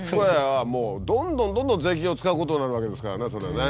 もうどんどんどんどん税金を使うことになるわけですからねそれね。